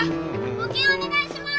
募金お願いします！